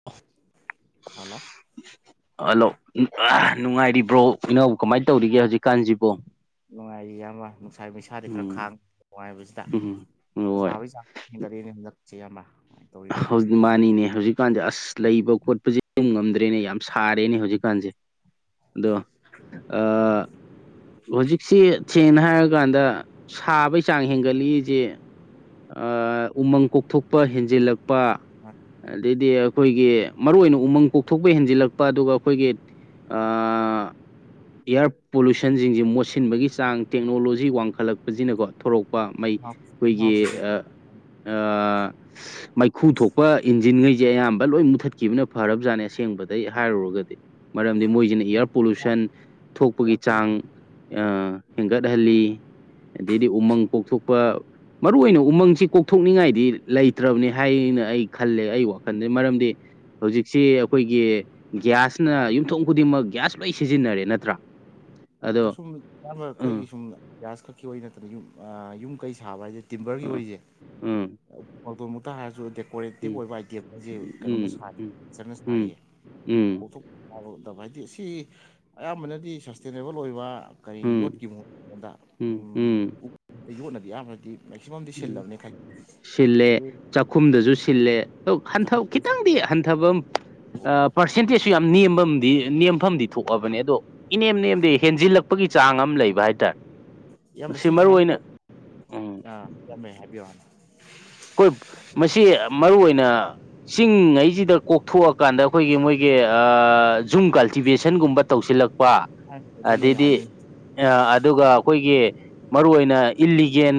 [inaudible] Hello hello ꯅꯨꯡꯉꯥꯏꯔꯤꯕ꯭ꯔꯣ ꯏꯅꯥꯎꯕꯨ ꯀꯃꯥꯏꯅ ꯇꯧꯔꯤꯒꯦ ꯍꯧꯖꯤꯛꯀꯥꯟꯁꯤꯕꯣ ꯅꯨꯡꯉꯥꯏꯔꯤ ꯌꯥꯝ ꯑꯃ ꯅꯨꯡꯁꯥꯏ ꯃꯩꯁꯥꯗꯤ ꯈꯔ ꯎꯝ ꯈꯥꯡꯉ ꯅꯨꯡꯉꯥꯏꯕꯁꯤꯗ ꯎꯝ ꯍꯣꯏ ꯁꯥꯕꯩ ꯆꯥꯡ ꯒꯥꯔꯤꯅꯦ ꯍꯟꯂꯛꯁꯤ ꯌꯥꯝꯕ ꯍꯧꯖꯤꯛ ꯃꯥꯅꯤꯅꯦ ꯍꯧꯖꯤꯛꯀꯥꯟꯁꯦ ꯑꯁ ꯂꯩꯕ ꯈꯣꯠꯄꯁꯦ ꯑꯗꯨꯝ ꯉꯝꯗ꯭ꯔꯦꯅꯦ ꯌꯥꯝ ꯁꯥꯔꯦꯅꯦ ꯍꯧꯖꯤꯛꯀꯥꯟꯁꯦ ꯑꯗꯣ ꯍꯧꯖꯤꯛꯁꯤ ꯁꯦꯡꯅ ꯍꯥꯏꯔꯀꯥꯟꯗ ꯁꯥꯕꯩ ꯆꯥꯡ ꯍꯦꯟꯒꯠ ꯂꯛꯏꯖꯦ ꯎꯃꯪ ꯀꯣꯛꯊꯣꯛꯄ ꯍꯦꯟꯖꯤꯜꯂꯛꯄ ꯑꯗꯩꯗꯤ ꯑꯩꯈꯣꯏꯒꯤ ꯃꯔꯨ ꯑꯣꯏꯅ ꯎꯃꯪ ꯀꯣꯛꯊꯣꯛꯄ ꯍꯦꯟꯖꯤꯜꯂꯛꯄ ꯑꯗꯨꯒ ꯑꯩꯈꯣꯏꯒꯤ ꯑ ꯏꯔ ꯄꯣꯂꯨꯁꯟ ꯁꯟꯁꯤꯡꯁꯤ ꯃꯣꯠꯁꯤꯟꯕꯒꯤ ꯆꯥꯡ ꯇꯦꯛꯅꯣꯂꯣꯖꯤ ꯋꯥꯡꯈꯠꯂꯛꯄ ꯁꯤꯅꯀꯣ ꯊꯣꯔꯛꯄ ꯃꯩ ꯑꯩꯈꯣꯏꯒꯤ ꯃꯩꯈꯨ ꯊꯣꯛꯄ ꯏꯟꯖꯤꯟꯈꯩꯁꯦ ꯑꯌꯥꯝꯕ ꯂꯣꯏ ꯃꯨꯊꯠꯈꯤꯕꯅ ꯐꯔꯕꯖꯥꯠꯅꯦ ꯑꯁꯦꯡꯕꯗꯒꯤꯩ ꯍꯥꯏꯔꯨꯔꯒꯗꯤ ꯃꯔꯝꯗꯤ ꯃꯣꯏꯁꯤꯅ ꯏꯌꯥꯔ ꯄꯣꯂꯨꯁꯟ ꯊꯣꯛꯄꯒꯤ ꯏꯌꯥꯔ ꯆꯥꯡ ꯄꯣꯂꯨꯁꯟ ꯑ ꯍꯦꯟꯒꯠꯍꯜꯂꯤ ꯑꯗꯩꯗꯤ ꯎꯃꯪ ꯀꯣꯛꯊꯣꯛꯄ ꯃꯔꯨꯏ ꯑꯣꯏꯅ ꯎꯝ ꯎꯃꯪꯁꯤ ꯀꯣꯛꯊꯣꯛꯅꯤꯡꯉꯥꯏꯗꯤ ꯂꯩꯇ꯭ꯔꯕꯅꯤ ꯍꯥꯏꯅ ꯑꯩ ꯈꯜꯂꯦ ꯑꯩ ꯋꯥꯈꯜꯗ ꯃꯔꯝꯗꯤ ꯍꯧꯖꯤꯛꯁꯤ ꯑꯩꯈꯣꯏꯒꯤ ꯒ꯭ꯌꯥꯁꯅ ꯃꯌꯥꯝ ꯌꯨꯝꯊꯣꯡ ꯈꯨꯗꯤꯡꯃꯛ ꯒ꯭ꯌꯥꯁ ꯂꯣꯏ ꯁꯤꯖꯤꯟꯅꯔꯦ ꯅꯠꯇ꯭ꯔꯥ ꯑꯗꯣ ꯁꯨꯝ ꯏꯌꯥꯝꯕ ꯑꯩꯈꯣꯏꯒꯤ ꯎꯝ ꯁꯨꯝ ꯒ꯭ꯌꯥꯁ ꯈꯛꯀꯤ ꯑꯣꯏꯅ ꯅꯠꯇꯅ ꯌꯨꯝ ꯌꯨꯝ ꯀꯩ ꯁꯥꯕ ꯍꯥꯏꯗꯤ ꯇꯤꯝꯕꯔꯒꯤ ꯎꯝ ꯋꯥꯔꯤꯁꯦ ꯎꯝ ꯃꯇꯇꯣꯟꯃꯨꯛꯇ ꯍꯥꯏꯔꯁꯨꯦꯛ ꯀ꯭ꯋꯥꯂꯦꯛꯇꯤꯞ ꯎꯝ ꯑꯣꯏꯕ ꯑꯥꯏꯇꯦꯝ ꯍꯥꯏꯁꯦ ꯀꯩꯅꯣꯅ ꯎꯝ ꯁꯥꯔꯤ ꯎꯝ ꯎꯝ ꯆꯅ ꯎꯝ ꯁꯥꯔꯤꯌꯦ ꯄ ꯌꯥꯔꯗꯕ ꯍꯥꯏꯗꯤ ꯑꯁꯤ ꯑꯌꯥꯝꯕꯅꯗꯤ ꯁꯁꯇꯦꯅꯦꯕꯜ ꯑꯣꯏꯕ ꯀꯔꯤ ꯎꯝ ꯌꯣꯠꯈꯤꯕꯣ ꯑꯩꯉꯣꯟꯗ ꯎꯝ ꯎꯝ ꯌꯣꯠꯅꯗꯤ ꯌꯥꯝꯕ꯭ꯔꯗꯤ ꯁꯤ ꯎꯝ ꯁꯤꯜꯂꯕꯅꯤꯅ ꯈꯪꯉꯦ ꯁꯤꯜꯂꯦ ꯆꯥꯛꯈꯨꯝꯗꯁꯨ ꯁꯤꯜꯂꯦꯟ ꯆꯥꯛꯈꯨꯝ ꯈꯤꯇꯪꯗꯤ ꯍꯟꯊꯕ ꯄꯥꯔꯁꯦꯟꯇꯦꯖꯁꯨ ꯌꯥꯝ ꯅꯦꯝꯐꯝ ꯅꯦꯝꯐꯝꯗꯤ ꯊꯣꯛꯑꯕꯅꯤ ꯑꯗꯣ ꯏꯅꯦꯝ ꯅꯦꯝꯗꯤ ꯍꯦꯟꯖꯤꯜꯂꯛꯄ ꯆꯄꯒꯤ ꯆꯥꯡ ꯑꯃ ꯂꯩꯕ ꯍꯥꯏꯇꯥꯔꯦ ꯁꯤ ꯃꯔꯨ ꯑꯣꯏꯅ ꯎꯝ ꯀꯃꯦ ꯍꯥꯏꯕꯤ ꯋꯥꯅ ꯑꯩꯈꯣꯏ ꯃꯁꯤ ꯃꯔꯨ ꯑꯣꯏꯅ ꯆꯤꯡꯉꯩꯁꯤꯗ ꯀꯣꯛꯊꯣꯛꯑꯀꯥꯟꯗ ꯑꯩꯈꯣꯏꯒꯤ ꯃꯣꯏꯒꯤ ꯖꯨꯝ ꯀꯜꯇꯤꯚꯦꯁꯟꯒꯨꯝꯕ ꯇꯧꯁꯤꯜꯂꯛꯄ ꯑꯗꯨꯅꯦ ꯑꯩꯅ ꯑꯗꯩꯗꯤ ꯍꯥꯏꯅꯤꯡꯉꯤ ꯑꯗꯨꯒ ꯑꯩꯈꯣꯏꯒꯤ ꯃꯔꯨꯏ ꯑꯣꯏꯅ ꯏꯜꯂꯤꯒꯦꯟ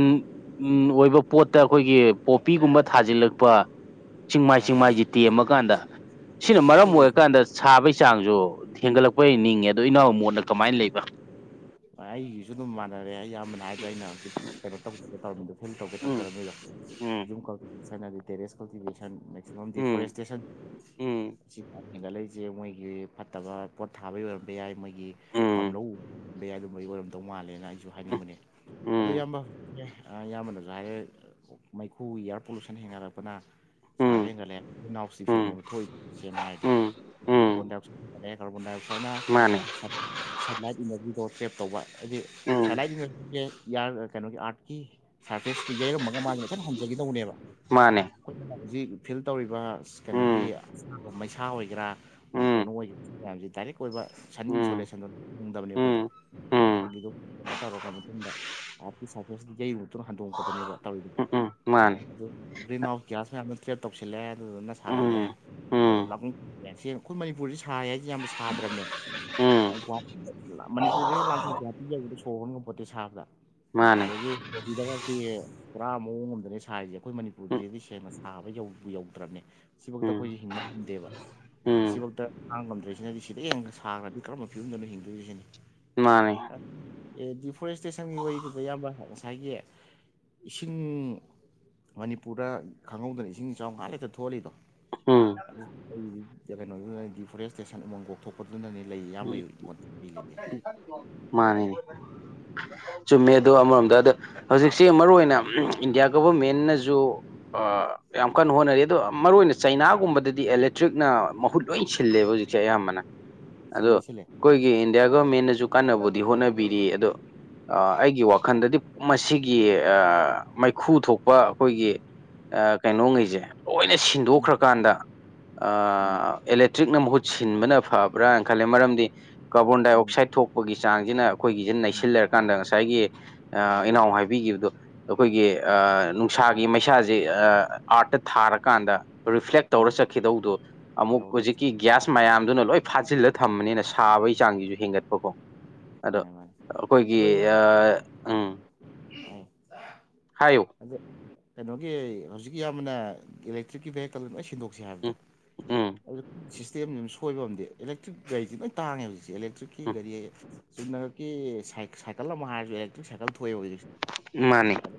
ꯎꯝ ꯑꯣꯏꯕ ꯄꯣꯠꯇ ꯑꯩꯈꯣꯏꯒꯤ ꯄꯣꯄꯤꯒꯨꯝꯕ ꯊꯥꯖꯤꯜꯂꯛꯄ ꯆꯤꯡꯃꯥꯏ ꯃꯥꯅꯦ ꯆꯤꯡꯃꯥꯏꯁꯤ ꯇꯦꯝꯃꯀꯥꯟꯗ ꯁꯤꯅ ꯑꯗꯨ ꯃꯔꯝ ꯑꯣꯏꯗꯤ ꯑꯣꯏꯔꯀꯥꯟꯗ ꯁꯥꯕꯒꯤ ꯆꯥꯡꯁꯨ ꯍꯦꯟꯒꯠꯂꯛꯄ ꯅꯤꯡꯉꯦ ꯑꯗꯣ ꯏꯅꯥꯎ ꯃꯣꯠꯅ ꯀꯃꯥꯏꯅ ꯂꯩꯕ꯭ꯔꯥ ꯑꯩꯒꯤꯁꯨ ꯑꯗꯨꯝ ꯃꯥꯟꯅꯔꯦ ꯢꯌꯥꯝꯕꯅ ꯍꯥꯏꯗꯣ ꯑꯩꯅ ꯍꯧꯖꯤꯛ ꯀꯩꯅꯣ [inaudible] ꯇꯧ ꯇꯧꯅꯤꯗꯣ ꯐꯤꯜ ꯇꯧꯒꯦ ꯎꯝ ꯇꯛꯖꯔꯝꯅꯤꯗꯣ ꯎꯝ ꯖꯨꯝ ꯀꯜꯇꯤꯚꯦꯁ ꯍꯥꯏꯗꯤ ꯇꯦꯁ ꯀꯜꯇꯤꯚꯦꯁꯟ ꯃꯦꯛꯁꯤꯃꯝ ꯎꯝ ꯗꯤꯐꯣꯔꯦꯁꯇꯦꯁꯟ ꯎꯝ ꯍꯦꯟꯒꯠꯂꯛꯏꯁꯦ ꯃꯣꯏꯒꯤ ꯐꯠꯇꯕ ꯄꯣꯠ ꯊꯥꯕ ꯑꯣꯏꯔꯝꯕ ꯌꯥꯏ ꯃꯣꯏ ꯒꯤ ꯎꯝ ꯄꯥꯝꯂꯧ ꯑꯗꯨꯝꯕꯒꯤ ꯑꯣꯏꯔꯝꯗꯧ ꯃꯥꯜꯂꯦꯅ ꯑꯩ ꯖꯨ ꯍꯥꯏꯅꯤꯡꯕꯅꯦ ꯑꯗꯨ ꯎꯝ ꯏꯌꯥꯝꯕ ꯑ ꯏꯌꯥꯝꯕꯅꯁꯨ ꯍꯥꯏꯔꯦ ꯃꯩꯈꯨ ꯏꯌꯥꯔ ꯄꯣꯂꯨꯁꯟ ꯍꯦꯡꯒꯠꯂꯛꯄꯅ ꯁꯥꯕ ꯎꯝ ꯍꯦꯟꯒꯠꯂꯦ ꯏꯟ ꯅꯥꯎꯁ ꯎꯝ ꯏꯐꯦꯛꯅꯦꯕ ꯊꯣꯛꯏꯗꯨ ꯁꯦꯡꯅ ꯍꯥꯏꯔꯗꯤ ꯎꯝ ꯎꯝ [unintelligible] ꯀꯥꯔꯕꯣꯟꯗꯥꯏ ꯑꯥꯋꯠꯁꯥꯏꯠꯅ ꯃꯥꯅꯦ ꯁꯟ ꯁꯟꯂꯥꯏꯠ ꯏꯅꯔꯖꯤꯗꯣ ꯇ꯭ꯔꯦꯞ ꯇꯧꯕ ꯍꯥꯏꯗꯤ ꯎꯝ ꯁꯟꯂꯥꯏꯠ ꯏꯅꯖꯤ ꯑꯦ ꯌꯥꯝ ꯑ ꯀꯩꯅꯣꯒꯤ ꯑꯥꯔꯠꯀꯤ ꯁꯥꯔꯐꯦꯁꯇ ꯌꯩꯔꯝꯃꯒ ꯃꯥꯁꯦ ꯍꯥꯏꯐꯦꯠ ꯍꯟꯖꯒꯦ ꯇꯧꯕꯅꯦꯕ꯫ ꯃꯥꯅꯦ꯫ ꯑꯩꯈꯣꯏꯅ ꯍꯧꯖꯤꯛ ꯐꯤꯜ ꯇꯧꯔꯤꯕ ꯀꯩꯅꯣꯒꯤ ꯎꯝ ꯃꯩꯁꯥ ꯑꯣꯏꯒꯦꯔꯥ ꯃꯥ ꯎꯝ ꯀꯩꯅꯣ ꯑꯣꯏ ꯃꯌꯥꯝꯖꯦ ꯗꯥꯏꯔꯦꯛ ꯑꯣꯏꯕ ꯁꯟ ꯎꯝ ꯏꯟꯁꯣꯂꯦꯁꯟꯗꯣ ꯐꯪꯗꯕꯅꯦ ꯑꯩꯈꯣꯏꯗ ꯎꯝ ꯎꯝ ꯐꯪꯒꯤꯗꯨ ꯀꯩꯅꯣ ꯇꯧꯔꯕ ꯃꯇꯨꯡꯗ ꯑꯥꯔꯠꯀꯤ ꯁꯔꯐꯦꯁ ꯇꯥ ꯌꯩꯔꯨ ꯃꯇꯨꯡ ꯍꯟꯗꯣꯛꯄꯗꯨꯅꯦꯕ ꯇꯧꯔꯤꯗꯨ ꯎꯝ ꯎꯝ ꯃꯥꯅꯦ ꯑꯗꯨ ꯒ꯭ꯔꯤꯟ ꯍꯥꯎꯁ ꯒ꯭ꯌꯥꯁ ꯉꯥꯛꯇ ꯇ꯭ꯔꯦꯞ ꯇꯧꯁꯤꯜꯂꯦ ꯑꯗꯨꯗꯨꯅ ꯁꯥꯒꯠꯂꯦ ꯎꯝ ꯂꯩꯕꯝ ꯎꯝ ꯂꯥꯛꯐꯝ [unintelligible] ꯑꯩꯈꯣꯏ ꯃꯅꯤꯄꯨꯔꯁꯦ ꯁꯥꯏ ꯍꯥꯏꯁꯦ ꯌꯥꯝꯅ ꯁꯥꯗ꯭ꯔꯕꯅꯦ ꯎꯝ ꯑꯥ ꯒꯨꯍꯥꯇꯤꯗ ꯃꯅꯤꯄꯨꯔꯗ ꯍꯦꯛ ꯂꯥꯟꯊꯣꯛ ꯒꯨꯍꯥꯇꯤ ꯁꯨꯝ ꯂꯩꯕꯗ ꯁꯣꯔ ꯍꯣꯟ ꯉꯝꯄꯣꯠꯇꯦ ꯁꯥꯕꯗ ꯃꯥꯅꯦ ꯑꯗꯒꯤ ꯗꯦꯂꯤꯗꯒꯗꯤ ꯄꯨꯔꯥ ꯃꯑꯣꯡ ꯑꯝꯗꯅꯦ ꯁꯥꯔꯤꯖꯦ ꯑꯈꯣꯏ ꯎꯝ ꯃꯅꯤꯄꯨꯔꯗꯤ ꯁꯦꯡꯅ ꯁꯥꯕ ꯌꯧꯕꯨ ꯌꯧꯗ꯭ꯔꯝꯅꯦ ꯁꯤꯕꯧꯇ ꯎꯝ ꯑꯩꯈꯣꯏꯁꯦ ꯍꯤꯡꯕ ꯉꯝꯗꯦꯕ ꯎꯝ ꯁꯤꯐꯥꯎꯗ ꯈꯥꯡꯉꯝꯗ꯭ꯔꯤꯁꯤꯅꯗꯤ ꯁꯤꯗꯩ ꯍꯦꯟꯅꯒ ꯁꯥꯈ꯭ꯔꯗꯤ ꯀꯔꯝꯕ ꯐꯤꯕꯝꯗꯅꯣ ꯍꯤꯡꯗꯨꯏ ꯁꯤꯅꯤ ꯃꯥꯅꯤ ꯑꯦ ꯗꯤꯐꯣꯔꯦꯁꯇꯦꯁꯟꯒꯤ ꯋꯥꯔꯤꯗꯨꯗ‌ ꯏꯌꯥꯝꯕ ꯉꯁꯥꯏꯒꯤ꯫ ꯏꯁꯤꯡ ꯃꯅꯤꯄꯨꯔꯗ ꯈꯪꯍꯧꯗꯅ ꯏꯁꯤꯡ ꯏꯆꯥꯎ ꯉꯥꯛ ꯂꯩꯇ ꯊꯣꯛꯍꯜꯂꯤꯗꯣ ꯎꯝ ꯑꯩ ꯀꯩꯅꯣ ꯗꯤꯐꯣꯔꯦꯁꯇꯦꯁꯟ ꯑꯃꯃꯪ ꯀꯣꯛꯊꯣꯛꯄ ꯄꯣꯠꯇꯨꯅꯅꯤ ꯂꯩ ꯏꯌꯥꯝꯕꯒꯤ [unintelligible] ꯄꯤꯒꯅꯤ꯫ [unintelligible] ꯃꯥꯅꯦ ꯆꯨꯝꯃꯦ ꯑꯗꯣ ꯑꯃꯔꯣꯝꯗ ꯑꯗꯣ ꯍꯧꯖꯤꯛꯁꯦ ꯃꯔꯨꯑꯣꯏ ꯑꯣꯏꯅ ꯏꯟꯗꯤꯌꯥ ꯒꯣꯚꯔꯃꯦꯟꯅꯁꯨ ꯑꯥ ꯌꯥꯝ ꯀꯟꯅ ꯍꯣꯠꯅꯔꯤ ꯑꯗꯣ ꯃꯔꯨ ꯑꯣꯏꯅ ꯆꯩꯅꯥꯒꯨꯝꯕꯗꯗꯤ ꯑꯦꯂꯛꯇ꯭ꯔꯤꯛꯅ ꯃꯍꯨꯠ ꯂꯣꯏ ꯁꯤꯜꯂꯦꯕ ꯍꯧꯖꯤꯛ ꯆꯦ ꯑꯌꯥꯝꯕꯅ ꯁꯤꯜꯂꯦ ꯑꯗꯣ ꯁꯤꯜꯂꯦ ꯑꯈꯣꯏꯒꯤ ꯏꯟꯗꯤꯌꯥ ꯒꯣꯔꯃꯦꯟꯅꯁꯨ ꯀꯟꯅꯕꯨꯗꯤ ꯍꯣꯠꯅꯕꯤꯔꯤ ꯑꯗꯣ ꯑꯥ ꯑꯩꯒꯤ ꯋꯥꯈꯟꯗꯗꯤ ꯃꯁꯤꯒꯤ ꯑꯥ ꯃꯩꯈꯨ ꯊꯣꯛꯄ ꯑꯈꯣꯏꯒꯤ ꯑ ꯀꯩꯅꯣꯉꯩꯁꯦ ꯂꯣꯏꯅ ꯎꯝ ꯁꯤꯟꯗꯣꯛꯈ꯭ꯔꯀꯥꯟꯗ ꯎꯝ ꯑꯥ ꯑꯦꯂꯦꯛꯇ꯭ꯔꯤꯛꯅ ꯃꯍꯨꯠ ꯁꯤꯟꯕꯅ ꯐꯕ꯭ꯔꯥꯅ ꯈꯜꯂꯦ ꯃꯔꯝꯗꯤ ꯎꯝ ꯀꯥꯔꯕꯣꯟꯗꯥꯏꯑꯛꯁꯥꯏꯠ ꯊꯣꯛꯄꯒꯤ ꯆꯥꯡꯁꯤꯅ ꯑꯩꯈꯣꯏꯒꯤꯁꯤ ꯅꯩꯁꯤꯜꯂꯩꯔꯀꯥꯟꯗ ꯉꯁꯥꯏꯒꯤ ꯑꯥ ꯎꯝ ꯏꯅꯥꯎ ꯃꯥꯅꯦ ꯍꯥꯏꯕꯤꯒꯤꯕꯗꯨ ꯑꯩꯈꯣꯏꯒꯤ ꯑ ꯅꯨꯡꯁꯥꯒꯤ ꯃꯩꯁꯥꯁꯦ ꯑꯥꯔꯠꯇ ꯊꯥꯔꯀꯥꯟꯗ ꯔꯤꯐ꯭ꯂꯦꯛ ꯃꯥꯅꯦ ꯇꯧꯔ ꯍꯣꯏ ꯆꯠꯈꯤꯗꯧꯗꯣ ꯑꯃꯨꯛ ꯇꯧꯔꯣ ꯍꯨꯖꯤꯛꯀꯤ ꯇꯧꯔꯣ ꯒ꯭ꯌꯥꯁ ꯃꯌꯥꯝꯗꯨꯅ ꯂꯣꯏ ꯐꯥꯖꯤꯜꯂ ꯊꯝꯕꯅꯤꯅ ꯁꯥꯕꯩ ꯆꯥꯡꯖꯤꯖꯨ ꯍꯦꯟꯒꯠꯄꯀꯣ ꯑꯗꯣ ꯃꯥꯅꯦ ꯃꯥꯅꯦ ꯑꯗꯣ ꯑꯩꯈꯣꯏꯒꯤ ꯑ ꯏꯌꯥꯝꯕ ꯍꯥꯏꯌꯣ ꯑꯗ ꯀꯩꯅꯣꯒꯤ ꯍꯧꯖꯤꯛ ꯌꯥꯝꯕꯅ ꯏꯂꯦꯛꯇ꯭ꯔꯤꯛꯀꯤ ꯚꯦꯍꯤꯀꯜ ꯂꯣꯏ ꯁꯤꯟꯗꯣꯛ ꯍꯧꯖꯤꯛ ꯎꯝ ꯍꯥꯏꯕꯗꯣ ꯎꯝ ꯑꯗꯨ ꯁꯤꯁꯇꯦꯝꯗꯨ ꯁꯣꯏꯕ ꯑꯣꯏꯔꯝꯗꯦ ꯑꯦꯂꯦꯛꯇ꯭ꯔꯤꯛ ꯒꯥꯔꯤꯁꯤ ꯂꯣꯏ ꯇꯥꯡꯉꯦ ꯍꯧꯖꯤꯛꯁꯦ ꯑꯦꯂꯦꯛ ꯑꯦꯂꯦꯇ꯭ꯔꯤꯛꯀꯤ ꯎꯝ ꯒꯥꯔꯤ ꯆꯨꯝꯅꯈꯛꯀꯤ ꯁꯥꯏ-ꯁꯥꯏꯀꯜ ꯑꯃ ꯍꯥꯏꯔꯁꯨ ꯑꯦꯂꯦꯛꯇ꯭ꯔꯤꯛ ꯁꯥꯏꯀꯜ ꯊꯣꯛꯑꯦꯕ ꯍꯧꯖꯤꯛꯁꯦ꯫ ꯃꯥꯅꯤ꯫ ꯑꯗ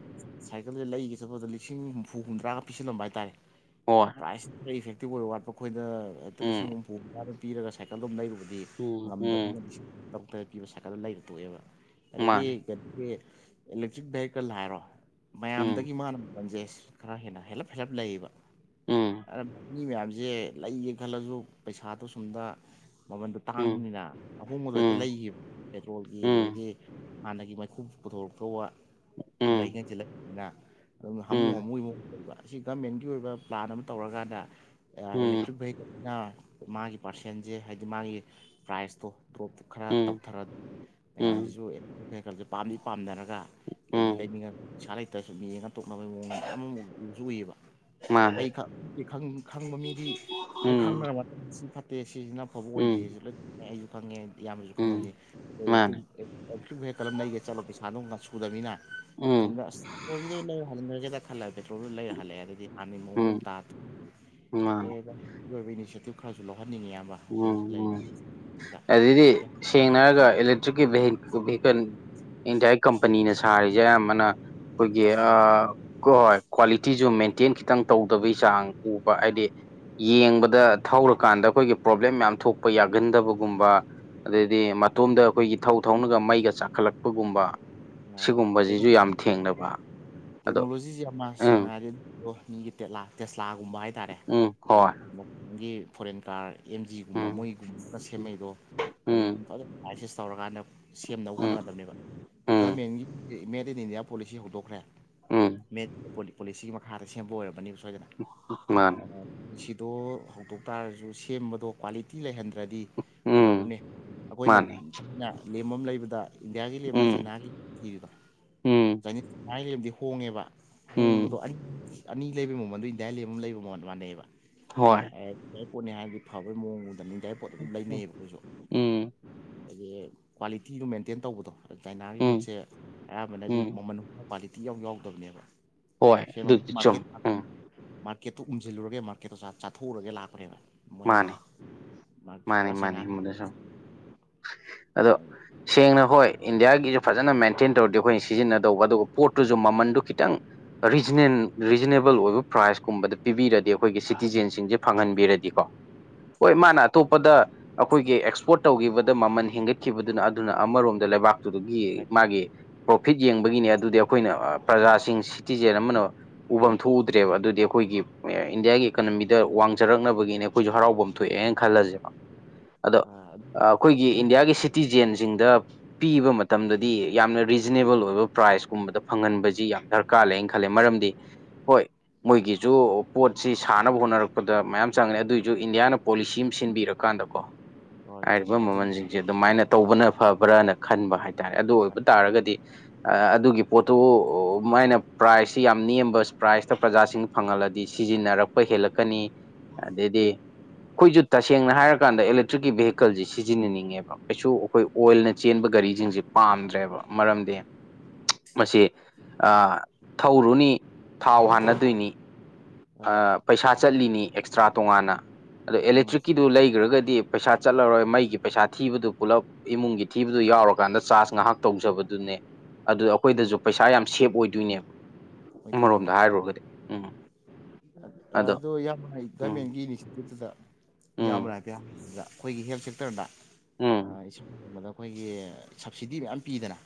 ꯁꯥꯏꯀꯜꯁꯦ ꯂꯩꯒꯦ ꯆꯠꯄꯗ ꯂꯤꯁꯤꯡ ꯍꯨꯝꯐꯨ ꯍꯨꯝꯗ꯭ꯔꯥ ꯄꯤꯁꯤꯜꯂꯝꯕ ꯍꯥꯏꯇꯥꯔꯦ꯫ ꯍꯣꯏ ꯈꯤꯇꯡ ꯏꯐꯦꯛꯇꯤꯕ ꯑꯣꯏꯕ ꯋꯥꯠꯄ ꯑꯩꯈꯣꯏꯗ ꯍꯦꯛꯇ ꯎꯝ ꯂꯤꯁꯤꯡ ꯍꯨꯝꯐꯨ ꯍꯨꯝꯗ꯭ ꯔꯥꯗꯣ ꯄꯤꯔꯒ ꯁꯥꯏꯀꯜ ꯗꯨꯝ ꯂꯩꯔꯨꯔꯕꯗꯤ ꯎꯝ ꯉꯝꯗꯕꯅꯦ ꯎꯝ ꯒꯞꯇ꯭ꯔ ꯄꯤꯕ ꯁꯥꯏꯀꯜ ꯂꯩꯔ ꯊꯣꯛꯑꯦꯕ ꯑꯗꯒꯤ ꯃꯥꯅꯤ ꯑꯗꯒꯤ ꯏꯂꯦꯛꯇ꯭ꯔꯤꯛ ꯚꯦꯍꯤꯀꯜ ꯍꯥꯏꯔꯣ꯫ ꯎꯝ ꯃꯌꯥꯝꯗꯒꯤ ꯃꯥꯅ ꯃꯃꯟꯁꯦ ꯈꯔ ꯍꯦꯟꯅ ꯍꯦꯜꯂꯞ ꯍꯦꯜꯂꯞ ꯂꯩꯌꯦꯕ ꯎꯝ ꯑꯔꯥꯞ ꯃꯤ ꯃꯌꯥꯝꯁꯦ ꯂꯩꯒꯦ ꯈꯜꯂꯁꯨ ꯄꯩꯁꯥꯗꯣ ꯁꯨꯝꯗ ꯃꯃꯟꯗꯣ ꯎꯝ ꯇꯥꯡꯕꯅꯤꯅ ꯑꯍꯣꯡꯕꯗꯣ ꯍꯦꯛꯇ ꯎꯝ ꯂꯩꯈꯤꯕ꯫ ꯄꯦꯇ꯭ꯔꯣꯜꯒꯤ ꯎꯝ ꯑꯗꯨꯗꯒꯤ ꯍꯥꯟꯅꯒꯤ ꯃꯩꯈꯨ ꯄꯨꯊꯣꯔꯛꯇ ꯋꯥ ꯎꯝ [unintelligible] ꯑꯗꯨ ꯍꯥꯃꯨ ꯎꯝ ꯍꯥꯃꯨ ꯑꯃꯨꯛꯕ ꯑꯁꯤ ꯒꯃꯦꯟꯒꯤ ꯑꯣꯏꯕ ꯄ꯭ꯂꯥꯟ ꯑꯃ ꯇꯧꯔꯀꯥꯟꯗ ꯎꯝ ꯏꯂꯦꯛꯇ꯭ꯔꯤꯛ ꯚꯦꯍꯤꯀꯜꯁꯤꯅ ꯃꯥꯒꯤ ꯄꯥꯔꯁꯦꯟꯁꯦ ꯍꯥꯏꯗꯤ ꯃꯥꯒꯤ ꯄ꯭ꯔꯥꯏꯖꯇꯣ ꯗꯣꯞ ꯈꯔ ꯎꯝ ꯇꯧꯊꯔ ꯎꯝ ꯃꯌꯥꯝꯁꯤꯁꯨ ꯑꯩꯈꯣꯏꯜꯥ [inaudible] ꯁꯦ ꯄꯥꯝꯗꯤ ꯄꯥꯝꯅꯔ ꯂꯩꯗꯤ ꯎꯝ ꯂꯩꯅꯤꯡꯉ ꯏꯁꯥ ꯂꯩꯇ꯭ꯔꯁꯨ ꯁꯨꯝ ꯌꯦꯡꯉ ꯇꯣꯛꯅꯕꯒꯤ ꯃꯑꯣꯡꯗ ꯃꯌꯥꯝ ꯑꯃ ꯎꯁꯨ ꯎꯨꯏꯌꯦꯕ ꯃꯥꯅꯦ ꯐꯩ ꯈꯪꯕ ꯃꯤꯗꯤ ꯂꯣꯢ ꯎꯝ ꯈꯪꯅꯔꯕ ꯁꯤ ꯐꯠꯇꯦ ꯁꯤꯁꯤꯅ ꯑꯐꯕ ꯎꯝ ꯑꯣꯏꯗꯦꯁꯦ ꯂꯣꯏꯅ ꯑꯩꯁꯨ ꯈꯪꯉꯦ ꯢꯌꯥꯝꯕꯁꯨ ꯎꯝ ꯈꯪꯉꯝꯅꯤ ꯃꯥꯅꯦ ꯑꯦꯛꯇꯤꯞ ꯍꯦꯛ [inaudible] ꯀꯂꯝ ꯂꯩꯒꯦ ꯆꯠꯂꯣ ꯄꯩꯁꯥꯗꯣ ꯁꯨꯗꯕꯅꯤꯅ ꯎꯝ ꯑꯁꯣꯝꯗ ꯑꯁ ꯑꯣꯕꯤꯗ ꯏ [inaudible] ꯍꯜ ꯃꯜꯂꯦ ꯇ ꯍꯜꯂꯛꯑꯦ ꯄꯦꯇ꯭ꯔꯣꯜꯗꯨ ꯂꯩꯔ ꯍꯜꯂꯛꯑꯦ ꯑꯗꯨꯗꯤ ꯍꯥꯟꯅꯒꯤ ꯃꯑꯣꯡꯗ ꯑꯗꯨꯝ ꯎꯝ ꯇꯥꯔ ꯃꯥꯅꯦ ꯇꯣꯛꯑꯦ ꯏꯅꯤꯁꯤ ꯑꯗꯨ ꯈꯔꯁꯨ [inaudible] ꯂꯧꯍꯟꯅꯤꯡꯉꯦꯌꯥꯝ ꯎꯝ ꯎꯝ ꯑꯗꯩꯗꯤ ꯁꯦꯡꯅ ꯍꯥꯏꯔꯒ ꯏꯂꯦ [inaudible] ꯍꯧꯛꯀꯤꯍꯤ ꯏꯟꯗꯤꯌꯥꯒꯤ ꯀꯝꯄꯅꯤꯅ ꯁꯥꯔꯤꯁꯦ ꯑꯌꯥꯝꯕꯅ ꯑꯩꯈꯣꯏꯒꯤ ꯇꯥꯇꯥꯒꯨꯝꯕ ꯑꯥ ꯀꯣꯏ ꯍꯣꯏ ꯀ꯭ꯋꯥꯂꯤꯇꯤꯁꯨ ꯃꯦꯟꯇꯦꯟ ꯈꯤꯇꯪ ꯇꯧꯗꯕꯩ ꯆꯥꯡ ꯎꯕ ꯍꯥꯏꯗꯤ ꯌꯦꯡꯕꯗ ꯊꯧꯔꯀꯥꯟꯗ ꯑꯩꯈꯣꯏꯒꯤ ꯄ꯭ꯔꯣꯕ꯭ꯂꯦꯝ ꯃꯌꯥꯝ ꯊꯣꯛꯄ ꯌꯥꯒꯟꯗꯕꯒꯨꯝꯕ ꯑꯗꯩꯗꯤ ꯃꯇꯣꯝꯗ ꯑꯩꯈꯣꯏꯒꯤ ꯊꯧ ꯊꯧꯅꯒ ꯃꯩꯒ ꯆꯥꯛꯈꯠꯂꯛꯄꯒꯨꯝꯕ ꯁꯤꯒꯨꯝꯕꯁꯤꯁꯨ ꯌꯥꯝ ꯊꯦꯡꯅꯕ ꯑꯗꯣ ꯇꯦꯛꯅꯣꯂꯣꯖꯤꯁꯤ [inaudible] ꯌꯥꯝ ꯎꯝ ꯁꯦꯡꯅꯔꯗꯤ ꯑꯗꯨꯒꯤ ꯇꯦꯁꯂꯥ ꯇꯦꯁꯂꯥꯒꯨꯝꯕ ꯍꯥꯏꯇꯥꯔꯦ ꯎꯝ ꯑꯗꯩ ꯍꯣꯏ ꯃꯒꯤ ꯐꯣꯔꯦꯟ ꯀꯥꯔ ꯑꯦꯝ ꯖꯤꯒꯨꯝꯕ ꯎꯝ ꯃꯣꯏꯒꯨꯝꯕꯒ ꯁꯦꯝꯃꯛꯢꯗꯣ ꯀꯔꯤꯅꯣ ꯎꯝ ꯂꯥꯏꯁꯦꯁ ꯇꯧꯔꯀꯥꯟꯗ ꯁꯦꯝꯅꯕ ꯎꯝ ꯍꯣꯠꯅꯒꯗꯕꯅꯦꯕ ꯎꯝ ꯒꯃꯦꯟꯒꯤ ꯃꯦꯠ ꯏꯟ ꯏꯟꯗꯤꯌꯥ ꯄꯣꯂꯤꯁꯤ ꯍꯧꯗꯣꯛꯈ꯭ꯔꯦ ꯎꯝ ꯃꯦꯠ ꯄꯣꯂꯤꯁꯤꯒꯤ ꯃꯈꯥꯗ ꯁꯦꯝꯕ ꯑꯣꯏꯔꯕꯅꯤꯕ ꯁꯣꯏꯗꯅ ꯃꯥꯅꯦ ꯁꯤꯗꯣ ꯍꯧꯗꯣꯛ ꯇꯥꯔꯁꯨ ꯁꯦꯝꯕꯗꯣ ꯀ꯭ꯋꯥꯂꯤꯇꯤ ꯂꯩꯍꯟꯗ꯭ꯔꯗꯤ ꯎꯝ ꯀꯩꯗꯧꯕꯅꯤ ꯑꯩꯈꯣꯏꯅ ꯃꯥꯅꯤ ꯊꯅ ꯂꯦꯝꯕ ꯑꯃ ꯂꯩꯕꯗ ꯏꯟꯗꯤꯌꯥꯒꯤ ꯂꯦꯝꯅ ꯎꯝ ꯆꯩꯅꯥꯒꯤ ꯏꯔꯤꯗꯣ ꯎꯝ ꯀꯩꯅꯃꯥꯏ ꯂꯩꯕꯗꯤ ꯍꯣꯡꯉꯦꯕ ꯍꯣꯡꯕꯗꯣ ꯎꯝ ꯑꯅꯤ ꯑꯅꯤ ꯂꯩꯕ ꯃꯃꯜꯗꯣ ꯏꯟꯗꯤꯌꯥ ꯂꯦꯞ ꯑꯃ ꯂꯩꯕ ꯃꯃꯜ ꯃꯥꯟꯅꯩꯑꯦꯕ ꯍꯣꯏ ꯢꯟꯗꯤꯌꯥꯔ ꯄꯣꯠꯅꯤ ꯍꯥꯏꯔꯗꯤ ꯐꯕꯒꯤ ꯃꯑꯣꯡꯗ ꯏꯟꯗꯤꯌꯥꯔꯄꯣꯠ ꯑꯗꯨꯝ ꯎꯝ ꯂꯩꯅꯩꯌꯦꯕ ꯑꯗꯨꯈꯣꯏꯁꯨ ꯍꯥꯏꯗꯤ ꯀ꯭ꯋꯥꯂꯤꯇꯤꯗꯨ ꯃꯦꯟꯇꯦꯟ ꯇꯧꯕꯗꯣ ꯆꯥꯏꯅꯥꯒꯤ ꯎꯝ ꯄꯣꯠꯁꯦ ꯑꯌꯥꯝꯕꯅꯗꯤ ꯎꯝ ꯃꯃꯜ ꯀ꯭ꯋꯥꯂꯤꯇꯤ ꯢꯌꯥꯎ ꯌꯥꯎꯗꯕꯅꯦꯕ ꯍꯣꯏ ꯁꯦꯡꯅ ꯑꯗꯨꯗꯤ ꯆꯨꯝ ꯃꯥꯔꯀꯦꯠ ꯎꯝ ꯃꯥꯔꯀꯦꯠꯇꯨ ꯎꯟꯁꯤꯜꯂꯨꯔꯒꯦ ꯃꯥꯔꯀꯦꯠꯇꯣ ꯆꯥꯊꯣꯛꯎꯔꯒꯦ ꯂꯥꯛꯄꯅꯦꯕ ꯃꯥꯅꯤ ꯃꯣꯏꯅ ꯃꯥꯁ ꯃꯥꯅꯤ ꯄꯨꯔꯥ ꯁꯥꯏꯅ ꯃꯥꯅꯤ [inaudible] ꯃꯗꯨ ꯁꯨꯝ ꯑꯗꯣ ꯁꯦꯡꯅ ꯍꯣꯏ ꯏꯟꯗꯤꯌꯥꯒꯤꯁꯨ ꯐꯖꯅ ꯃꯦꯟꯇꯦꯟ ꯇꯧꯔꯗꯤ ꯑꯩꯈꯣꯏꯅ ꯁꯤꯖꯤꯟꯅꯗꯧꯕ ꯑꯗꯨꯒ ꯄꯣꯠꯇꯨꯁꯨ ꯃꯃꯟꯗꯨ ꯈꯤꯇꯪ ꯔꯤꯖꯅꯦꯟ ꯔꯤꯖꯅꯦꯕꯜ ꯑꯣꯏꯕ ꯄ꯭ꯔꯥꯏꯁꯀꯨꯝꯕꯗ ꯄꯤꯕꯤꯔꯗꯤ ꯑꯩꯈꯣꯏꯒꯤ ꯁꯤꯇꯤꯖꯦꯟꯁꯤꯡꯁꯦ ꯐꯪꯍꯟꯕꯤꯔꯗꯤꯀꯣ ꯍꯣꯏ ꯃꯥꯅ ꯑꯇꯣꯞꯄꯗ ꯑꯩꯈꯣꯏꯒꯤ ꯑꯦꯛꯁꯄꯣꯠ ꯇꯧꯈꯤꯕꯗ ꯃꯃꯜ ꯍꯦꯟꯒꯠꯈꯤꯕꯗꯨꯅ ꯑꯗꯨꯅ ꯑꯃꯔꯣꯝꯗ ꯂꯩꯕꯥꯛꯇꯨꯒꯤ ꯃꯥꯒꯤ ꯄ꯭ꯔꯣꯐꯤꯠ ꯌꯦꯡꯕꯒꯤꯅꯤ ꯑꯗꯨꯗꯤ ꯑꯩꯈꯣꯏꯅ ꯄ꯭ꯔꯖꯥꯁꯤꯡ ꯁꯤꯇꯤꯖꯦꯟ ꯑꯃꯅ ꯎꯐꯝ ꯊꯣꯛꯎꯗ꯭ꯔꯦꯕ ꯑꯗꯨꯗꯤ ꯑꯩꯈꯣꯏꯒꯤ ꯏꯟꯗꯤꯌꯥꯒꯤ ꯏꯀꯅꯃꯤꯗ ꯋꯥꯡꯖꯔꯛꯅꯕꯒꯤꯅꯦ ꯑꯩꯈꯣꯏꯁꯨ ꯍꯔꯥꯎꯐꯝ ꯊꯣꯛꯑꯦꯅ ꯈꯜꯂꯁꯦꯕ ꯑꯗꯣ ꯑꯩꯈꯣꯏꯒꯤ ꯏꯟꯗꯤꯌꯥꯒꯤ ꯇꯤꯖꯦꯟꯁꯤꯡꯗ ꯄꯤꯕ ꯃꯇꯝꯗꯗꯤ ꯌꯥꯝꯅ ꯔꯤꯖꯅꯦꯕꯜ ꯑꯣꯏꯕ ꯄ꯭ꯔꯥꯏꯁꯀꯨꯝꯕꯗ ꯐꯪꯍꯟꯕꯁꯤ ꯌꯥꯝ ꯗꯔꯀꯥꯔ ꯀꯥꯜꯂꯩꯅ ꯈꯜꯂꯦ ꯃꯔꯝꯗꯤ ꯍꯣꯏ ꯃꯣꯏꯒꯤꯖꯨ ꯄꯣꯠꯁꯤ ꯁꯥꯟꯅꯕ ꯍꯣꯠꯅꯔꯛꯄꯗ ꯃꯌꯥꯝ ꯆꯪꯂꯦ ꯑꯗꯨꯏ ꯖꯨ ꯏꯟꯗꯤꯌꯥꯅ ꯄꯣꯂꯤꯁꯤ ꯑꯃ ꯁꯤꯟꯕꯤꯔꯀꯥꯟꯗꯀꯣ ꯍꯣꯏ ꯍꯥꯏꯔꯤꯕ ꯆꯨꯝꯃꯦ ꯑꯗꯨꯅꯤ ꯃꯃꯜꯖꯤꯡꯖꯦ ꯑꯗꯨꯃꯥꯏꯅ ꯇꯧꯕꯅ ꯐꯕ꯭ꯔꯅ ꯈꯟꯕ ꯍꯥꯏꯇꯥꯔꯦ ꯑꯗꯨ ꯑꯣꯏꯕ ꯇꯥꯔꯒꯗꯤ ꯑꯗꯨꯒꯤ ꯄꯣꯠꯇꯨ ꯃꯥꯏꯅ ꯄ꯭ꯔꯥꯏꯖꯁꯤ ꯌꯥꯝ ꯅꯦꯝꯕ ꯄ꯭ꯔꯥꯏꯖꯇ ꯄ꯭ꯔꯖꯥꯁꯤꯡꯅ ꯐꯪꯍꯜꯂꯗꯤ ꯁꯤꯖꯤꯟꯅꯔꯛꯄ ꯄ ꯍꯦꯜꯂꯛꯀꯅꯤ ꯑꯗꯩꯗꯤ ꯎꯝ ꯑꯩꯈꯣꯏꯁꯨ ꯇꯁꯦꯡꯅ ꯍꯥꯏꯔꯀꯥꯟꯗ ꯑꯦꯂꯦꯛꯇ꯭ꯔꯤꯛꯀꯤ ꯕꯦꯍꯤꯀꯜꯖꯦ ꯁꯤꯖꯤꯟꯅꯅꯤꯡꯉꯦꯕ ꯀꯩꯁꯨ ꯑꯩꯈꯣꯏ ꯑꯣꯏꯜꯅ ꯆꯦꯟꯕ ꯒꯥꯔꯤꯖꯤꯡꯖꯦ ꯄꯥꯝꯗ꯭ꯔꯦꯕ ꯃꯔꯝꯗꯤ ꯃꯁꯤ ꯊꯧꯔꯨꯅꯤ ꯊꯥꯎ ꯍꯥꯟꯅꯗꯣꯏꯅꯤ ꯑꯥ ꯄꯩꯁꯥ ꯆꯠꯂꯤꯅꯤ ꯑꯦꯛꯁꯇ꯭ꯔꯥ ꯇꯣꯉꯥꯟꯅ ꯑꯗꯣ ꯎꯝ ꯑꯦꯂꯦꯛꯇ꯭ꯔꯤꯛꯀꯤꯗꯨ ꯂꯩꯒ꯭ꯔꯒꯗꯤ ꯄꯩꯁꯥ ꯆꯠꯂꯔꯣꯏ ꯃꯩꯒꯤ ꯄꯩꯁꯥ ꯊꯤꯕꯗꯨ ꯄꯨꯜꯂꯞ ꯏꯃꯨꯡꯒꯤ ꯊꯤꯕꯗꯨ ꯌꯥꯎꯔꯀꯥꯟꯗ ꯆꯥꯔꯖ ꯉꯥꯏꯍꯥꯛ ꯇꯧꯖꯕꯗꯨꯅꯦ ꯑꯗꯨ ꯎꯝ ꯑꯩꯈꯣꯏꯗꯁꯨ ꯄꯩꯁꯥ ꯌꯥꯝ ꯁꯦꯞ ꯑꯣꯏꯗꯣꯏꯅꯦ ꯑꯃꯔꯣꯝꯗ ꯍꯥꯏꯔꯨꯔꯒꯗꯤ ꯎꯝ ꯑꯗꯣ ꯑꯗꯨ ꯌꯥꯝ ꯎꯝ ꯒꯃꯦꯟꯒꯤ [unintelligible] ꯏꯌꯥꯝꯕꯅ ꯎꯝ ꯍꯥꯏꯐꯦꯠ ꯍꯪꯕꯗ ꯑꯩꯈꯣꯏꯒꯤ ꯍꯦꯜꯠ ꯁꯦꯛꯇꯔꯗ ꯎꯝ ꯑꯥ [unintelligible] ꯑꯩꯈꯣꯏꯒꯤ ꯁꯕꯁꯤꯗꯤ ꯃꯌꯥꯝ ꯄꯤꯗꯅ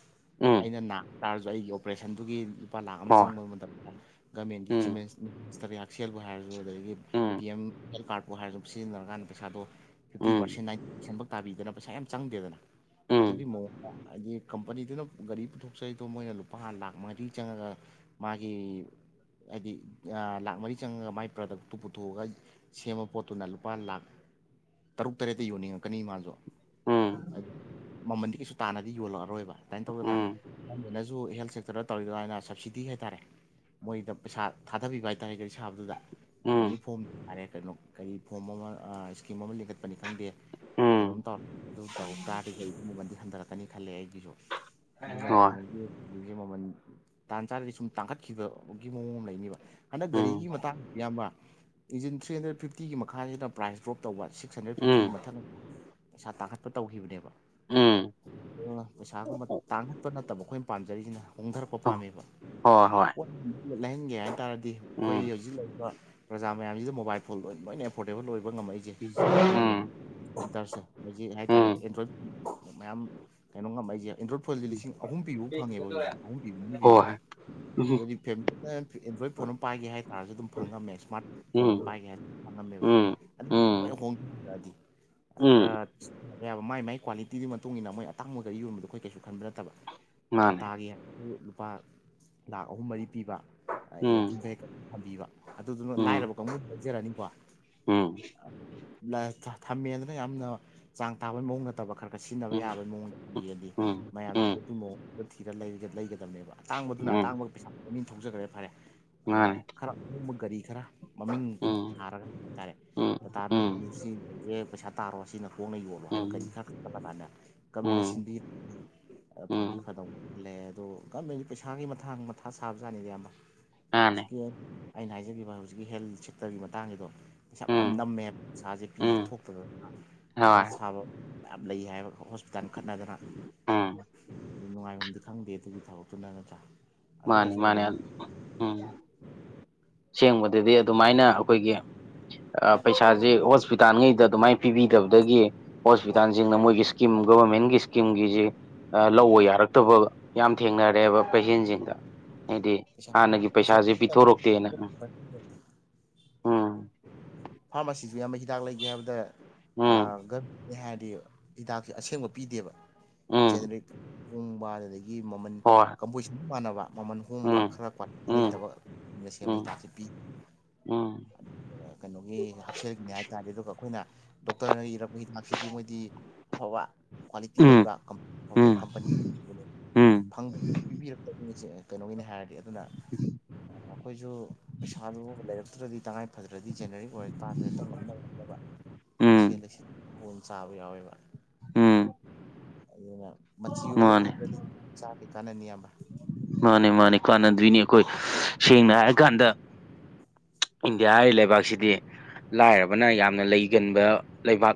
ꯎꯝ ꯑꯩꯅ ꯅꯥ ꯇꯥꯔꯁꯨ ꯑꯩꯒꯤ ꯑꯣꯄꯔꯦꯁꯟꯗꯨꯒꯤ ꯂꯨꯄꯥ ꯂꯥꯛ ꯑꯃ ꯍꯣꯏ ꯆꯪꯕ ꯃꯇꯝꯗ ꯒꯃꯦꯟꯒꯤ ꯆꯤꯃꯦ ꯎꯝ [unintelligible] ꯍꯥꯛꯁꯦꯜꯕꯨ ꯍꯥꯏꯔꯖꯨ ꯑꯗꯒꯤ ꯎꯝ ꯄꯤ ꯑꯦꯝ ꯍꯦꯜ ꯀꯥꯔꯠꯄꯨ ꯍꯥꯏꯔꯖꯨ ꯁꯤꯖꯤꯟꯅꯔꯀꯥꯟꯗ ꯄꯩꯁꯥꯗꯣ ꯐꯤꯞꯇꯤ ꯎꯝ ꯄꯥꯔꯁꯦꯟ ꯅꯥꯏꯟꯇꯤ ꯄꯥꯔꯁꯦꯟꯕꯧ ꯇꯥꯕꯤꯗꯅ ꯄꯩꯁꯥ ꯌꯥꯝ ꯆꯪꯗꯦꯗꯅ ꯑꯗꯨꯒꯤ ꯎꯝ ꯃꯑꯣꯡꯗ ꯍꯥꯏꯗꯤ ꯀꯝꯄꯅꯤꯗꯨꯅ ꯒꯥꯔꯤ ꯄꯨꯊꯣꯛꯆꯔꯤꯗꯣ ꯃꯣꯏꯅ ꯂꯨꯄꯥ ꯂꯥꯛ ꯃꯔꯤ ꯆꯪꯉꯒ ꯃꯥꯒꯤ ꯍꯥꯏꯗꯤ ꯂꯥꯛ ꯃꯔꯤ ꯆꯪꯉꯒ ꯃꯥꯏ ꯄ꯭ꯔꯗꯛꯇꯨ ꯄꯨꯊꯣꯛꯑꯒ ꯁꯦꯝꯕ ꯄꯣꯠꯇꯨꯅ ꯂꯨꯄꯥ ꯂꯥꯛ ꯇꯔꯨꯛ ꯇꯔꯦꯠꯇꯤ ꯌꯣꯟꯅꯤꯡꯉꯛꯀꯅꯤ ꯃꯥꯖꯨ ꯎꯝ ꯃꯃꯟꯗꯤ ꯀꯩꯁꯨ ꯇꯥꯟꯅꯗꯤ ꯌꯣꯜꯂꯛꯑꯔꯣꯏꯕ ꯑꯗꯥꯏꯅ ꯇꯧꯗꯅ ꯎꯝ ꯒꯣꯔꯃꯦꯟꯅꯖꯨ ꯍꯦꯜꯠ ꯁꯦꯛꯇꯔꯗ ꯇꯧꯔꯤꯗꯨꯃꯥꯏꯅ ꯁꯕꯁꯤꯗꯤ ꯍꯥꯏꯇꯥꯔꯦ ꯃꯣꯏꯗ ꯄꯩꯁꯥ ꯊꯥꯗꯕꯤꯕ ꯍꯥꯏꯇꯥꯔꯦ ꯒꯥꯔꯤ ꯁꯥꯕꯗꯨꯗ ꯎꯝ ꯐꯣꯝ ꯍꯥꯏꯔꯦ ꯀꯩꯅꯣ ꯀꯔꯤ ꯐꯣꯝ ꯑꯃ ꯁꯀꯤꯝ ꯑꯃ ꯂꯤꯡꯈꯠꯄꯅꯤ ꯈꯪꯗꯦ ꯀꯩꯅꯣꯝ ꯎꯝ ꯇꯧꯔ ꯑꯗꯨ ꯇꯧ ꯇꯥꯔꯗꯤ ꯒꯥꯔꯤꯒꯤ ꯃꯃꯜꯗꯤ ꯍꯟꯊꯔꯛꯀꯅꯤ ꯈꯜꯂꯦ ꯑꯩꯒꯤꯁꯨ ꯑꯗꯨ ꯍꯣꯏ ꯅꯠꯇ꯭ꯔꯤꯉꯩꯒꯤ ꯍꯧꯖꯤꯛꯁꯦ ꯃꯃꯜ ꯇꯥꯟ ꯆꯥꯗ꯭ꯔꯗꯤ ꯁꯨꯝ ꯇꯥꯡꯈꯠꯈꯤꯕꯒꯤ ꯃꯑꯣꯡ ꯑꯃ ꯂꯩꯅꯤꯕ ꯍꯟꯗꯛ ꯒꯥꯔꯤꯒꯤ ꯎꯝ ꯃꯇꯥꯡ ꯏꯌꯥꯝꯕ ꯏꯟꯖꯤꯟ ꯊ꯭ꯔꯤ ꯍꯟꯗ꯭ꯔꯦꯠ ꯐꯤꯞꯇꯤꯒꯤ ꯃꯈꯥꯖꯤꯗ ꯄ꯭ꯔꯥꯏꯁ ꯗ꯭ꯔꯣꯞ ꯇꯧꯕ ꯁꯤꯛꯁ ꯍꯟꯗ꯭ꯔꯦꯗ ꯎꯝ ꯐꯤꯐꯇꯤꯒꯤ ꯃꯊꯪ ꯄꯩꯁꯥ ꯇꯥꯡꯈꯠꯄ ꯇꯧꯈꯤꯕꯅꯦꯕ ꯎꯝ ꯑꯗꯨꯅ ꯄꯩꯁꯥꯒꯨꯝꯕ ꯇꯥꯡꯈꯠꯄ ꯅꯠꯇꯕ ꯑꯩꯈꯣꯏꯅ ꯄꯥꯝꯖꯔꯤꯖꯤꯅ ꯍꫭꯡꯗꯔꯛꯄ ꯄꯥꯝꯃꯦꯕ ꯍꯣꯏ ꯍꯣꯏ ꯂꯩꯍꯟꯒꯦ ꯍꯥꯏ ꯇꯥꯔꯗꯤ ꯑꯩꯈꯣꯏ ꯎꯝ ꯍꯧꯖꯤꯛ ꯂꯩꯔꯤꯕ ꯄ꯭ꯔꯖꯥ ꯃꯌꯥꯝꯁꯤꯗ ꯃꯣꯕꯥꯏꯜ ꯐꯣꯟ ꯂꯣꯏ ꯂꯣꯏꯅ ꯑꯦꯐꯣꯔꯗꯦꯕꯜ ꯑꯣꯏꯕ ꯉꯝꯃꯛꯏꯖꯦ ꯁꯤꯒꯤ ꯎꯝ ꯁꯤꯇꯔꯁꯦ ꯍꯩꯖꯤꯛ ꯍꯥꯏꯇꯥꯔꯦ ꯎꯝ ꯑꯦꯟꯗ꯭ꯔꯣꯏꯗ ꯃꯌꯥꯝ ꯀꯩꯅꯣ ꯉꯝꯃꯛ ꯏꯖꯦ ꯑꯦꯟ꯭ꯔꯣꯏꯗ ꯐꯣꯟꯁꯦ ꯂꯤꯁꯤꯡ ꯑꯍꯨꯝ ꯄꯤꯕ ꯐꯧ ꯐꯪꯪꯉꯦꯕ ꯍꯧꯖꯤꯛꯁ ꯑꯍꯨꯝ ꯃꯔꯤ ꯄꯤꯕ ꯕꯥꯎ ꯍꯣꯏ ꯎꯝ ꯑꯗꯨꯗꯤ ꯐꯦꯃꯤꯂꯤꯅ ꯑꯦꯟꯗ꯭ꯔꯣꯏꯗ ꯐꯣꯟ ꯑꯃ ꯄꯥꯏꯒꯦ ꯍꯥꯏꯇꯥꯥꯔꯁꯨ ꯑꯗꯨꯝ ꯐꯪ ꯉꯝꯃꯦ ꯁ꯭ꯃꯥꯔꯠ ꯐꯣꯟ ꯑꯃ ꯄꯥꯏ ꯎꯝ [inaudible] ꯎꯝ ꯎꯝ ꯎꯝ ꯌꯥꯕ ꯃꯥꯏ ꯃꯥꯏ ꯀ꯭ꯋꯥꯂꯤꯇꯤꯒꯤ ꯃꯇꯨꯡ ꯏꯟꯅ ꯃꯣꯏ ꯑꯇꯥꯡꯕ ꯒꯥꯔꯤ ꯌꯣꯟꯕꯗ ꯑꯩꯈꯣꯏ ꯀꯩꯁꯨ ꯈꯟꯕ ꯅꯠꯇꯕ ꯃꯥꯅꯦ ꯇꯥꯇꯥꯒꯤ ꯂꯨꯄꯥ ꯂꯥꯛ ꯑꯍꯨꯝ ꯃꯔꯤ ꯄꯤꯕ ꯎꯝ ꯏꯂꯦꯛꯇ꯭ꯔꯤꯛ ꯚꯦꯍꯤꯀꯜ ꯊꯝꯕꯤꯕ ꯑꯗꯨꯗꯨꯅ ꯎꯝ ꯂꯥꯏꯔꯕ ꯀꯥꯡꯕꯨ ꯂꯩꯖꯔꯛꯅꯤꯀꯣ ꯎꯝ ꯊꯝꯃꯦꯗꯅ ꯌꯥꯝꯅ ꯆꯥꯡ ꯇꯥꯕꯒꯤ ꯃꯑꯣꯡ ꯅꯠꯇꯕ ꯈꯔ ꯀ ꯁꯤꯖꯤꯟꯅꯕ ꯎꯝ ꯌꯥꯕꯒꯤ ꯃꯑꯣꯡꯗ ꯊꯝꯕꯤꯔꯗꯤ ꯎꯝ ꯃꯌꯥꯝꯗꯨ ꯎꯝ ꯑꯗꯨ ꯃꯑꯣꯡ ꯊꯤꯔ ꯂꯩꯒꯗꯕꯅꯦꯕ ꯇꯥꯡꯕꯗꯨꯅ ꯎꯝ ꯇꯥꯡꯕꯒꯤ ꯄꯩꯁꯥ ꯄꯥꯏꯕ ꯃꯤꯅ ꯊꯧꯖꯒ꯭ꯔꯦ ꯐꯔꯦ ꯑꯗꯨꯅ ꯃꯥꯅꯦ ꯈꯔ ꯑꯍꯣꯡꯕ ꯒꯥꯔꯤ ꯈꯔ ꯃꯃꯤꯡ ꯎꯝ ꯊꯥꯔꯒ ꯍꯥꯏꯇꯥꯔꯦ ꯎꯝ ꯇꯇꯥꯅꯣꯏ ꯎꯝ [unintelligible] ꯄꯩꯁꯥ ꯇꯥꯔꯣ ꯁꯤꯅ ꯍꯣꯡꯅ ꯌꯣꯜꯂꯣ ꯍꯥꯏꯕ ꯒꯔꯤ ꯈꯔ ꯈꯟꯒꯠꯂ ꯀꯥꯟꯗ ꯒꯃꯦꯟꯅ ꯎꯝ ꯁꯤꯟꯕꯤ ꯐꯗꯤ ꯎꯝ ꯎꯝ ꯐꯗꯧ ꯂꯩ ꯑꯗꯣ ꯒꯃꯦꯟꯒꯤ ꯄꯩꯁꯥꯒꯤ ꯃ ꯃꯊꯥꯡ ꯃꯊꯥ ꯁꯥꯕꯖꯥꯠꯅꯦꯗ ꯌꯥꯝꯅ ꯃꯥꯅꯦ ꯍꯧꯖꯤꯛꯀꯤ ꯑꯩꯅ ꯍꯥꯏꯖꯒꯤꯈꯤꯕ ꯍꯧꯖꯤꯛꯀꯤ ꯍꯦꯜ ꯁꯦꯛꯇꯔꯒꯤ ꯃꯇꯥꯡꯒꯤꯗꯣ ꯄꯩꯁꯥ ꯃꯌꯥꯝ ꯎꯝ ꯅꯝꯃꯦꯕ ꯄꯩꯁꯥꯥꯁꯦ ꯄꯤ ꯎꯝ ꯊꯣꯛꯇꯅ ꯃꯊꯥ ꯍꯣꯏ ꯁꯥꯕ ꯌꯥꯝ ꯂꯩ ꯍꯥꯏꯕ ꯍꯣꯁꯄꯤꯇꯥꯜ ꯈꯠꯅꯗꯅ ꯎꯝ ꯅꯨꯡꯉꯥꯏꯐꯝꯗꯤ ꯈꯪꯗꯦ ꯑꯗꯨꯒꯤ ꯊꯕꯛꯇꯨꯅ ꯅꯠꯇ꯭ꯔꯥ ꯃꯥꯅꯦ ꯑꯗꯨꯅꯁꯨ ꯃꯥꯅꯦ ꯑꯣꯏꯕꯖꯥꯠ ꯎꯝ ꯁꯦꯡꯕꯗꯗꯤ ꯑꯗꯨꯃꯥꯏꯅ ꯑꯩꯈꯣꯏꯒꯤ ꯄꯩꯁꯥꯁꯦ ꯍꯣꯁꯄꯤꯇꯥꯜꯉꯩꯗ ꯑꯗꯨꯃꯥꯏꯅ ꯄꯤꯕꯤꯗꯕꯗꯒꯤ ꯍꯣꯁꯄꯤꯇꯥꯜꯁꯤꯡꯅ ꯃꯣꯏꯒꯤ ꯏꯁꯀꯤꯝ ꯒꯣꯕꯔꯃꯦꯟꯒꯤ ꯏꯁꯀꯤꯝꯒꯤꯁꯤꯦ ꯂꯧꯕ ꯌꯥꯔꯛꯇꯕꯒ ꯌꯥꯝ ꯊꯦꯡꯅꯔꯦꯕ ꯄꯦꯁꯦꯟꯁꯤꯡꯗ ꯍꯥꯏꯗꯤ ꯄꯩꯁꯥ ꯍꯥꯟꯅꯒꯤ ꯄꯩꯁꯥ ꯄꯩꯁꯥꯁꯦ ꯄꯤꯊꯣꯔꯛꯇꯦꯅ ꯎꯝ ꯐꯥꯔꯃꯥꯁꯤꯁꯨ ꯌꯥꯝꯕ ꯍꯤꯗꯥꯛ ꯂꯩꯒꯦ ꯍꯥꯏꯕꯗ ꯎꯝ ꯎꯝ ꯃꯤꯅꯤ ꯍꯥꯏꯔꯗꯤ ꯍꯤꯗꯥꯛꯁ ꯑꯁꯦꯡꯕ ꯎꯝ ꯄꯤꯗꯦꯕꯔꯤꯛ ꯍꯣꯡꯕ ꯑꯗꯨꯗꯒꯤ ꯃꯃꯜ ꯍꯣꯏ ꯀꯝꯄꯣꯖꯤꯁꯟ ꯃꯥꯟꯅꯕ ꯃꯃꯜ ꯍꯣꯡꯕ ꯎꯝ ꯈꯔꯛ ꯄ ꯎꯝ ꯂꯩꯇꯕꯅ ꯁꯦꯝꯕ ꯎꯝ ꯍꯩꯗꯥꯛꯁꯤꯦ ꯄꯤ ꯎꯝ ꯀꯩꯅꯣꯒꯤ ꯍꯛꯁꯦꯜꯒꯤꯅꯦ ꯍꯥꯏꯇꯥꯔꯦ ꯑꯗꯨꯒ ꯑꯩꯈꯣꯏꯅ ꯗꯣꯛꯇꯔꯅ ꯏꯔꯛꯄ ꯍꯤꯗꯥꯛꯁꯤꯗꯤ ꯃꯣꯏꯗꯤ ꯑꯐꯕ ꯀ꯭ꯋꯥꯂꯤꯇꯤ ꯎꯝ ꯂꯩꯕ ꯑꯐꯕ ꯎꯝ ꯀꯝꯄꯅꯤ ꯎꯝ ꯄꯤꯕꯤꯔꯛꯇ ꯀꯩꯅꯣꯒꯤꯅꯤ ꯍꯥꯏꯔꯗꯤ ꯑꯗꯨꯅ ꯑꯩꯈꯣꯏꯁꯨ ꯄꯩꯁꯥꯗꯨ ꯂꯩꯔꯛꯇ꯭ꯔꯗꯤ ꯇꯉꯥꯏ ꯐꯗ꯭ꯔꯗꯤ ꯖꯦꯟꯅꯔꯤ [inaudible] ꯎꯝ ꯎꯝ ꯑꯗꯨꯅ ꯃꯆꯤ ꯑꯣꯏꯕꯗꯣ ꯃꯥꯅꯦ ꯐꯪꯗ꯭ꯔꯗꯤ ꯆꯥꯕꯗꯤ ꯀꯥꯟꯅꯅꯤ ꯌꯥꯝꯕ ꯃꯥꯅꯦ ꯃꯥꯅꯦ ꯀꯥꯟꯅꯗꯣꯏꯅꯤ ꯑꯩꯈꯣꯏ ꯁꯦꯡꯅ ꯍꯥꯏꯔ ꯀꯥꯟꯗ ꯏꯟꯗꯤꯌꯥ ꯍꯥꯏꯔꯤꯕ ꯂꯩꯕꯥꯛꯁꯤꯗꯤ ꯂꯥꯏꯔꯕꯅ ꯌꯥꯝꯅ ꯂꯩꯒꯟꯕ ꯂꯩꯕꯥꯛ